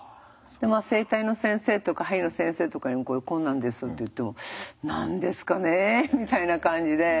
整体の先生とかはりの先生とかにもこうなんですって言っても「何ですかね？」みたいな感じで。